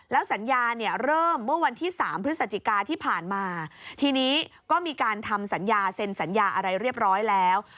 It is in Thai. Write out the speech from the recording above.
สัญญาเนี่ยเริ่มเมื่อวันที่๓พฤศจิกาที่ผ่านมาทีนี้ก็มีการทำสัญญาเซ็นสัญญาอะไรเรียบร้อยแล้ว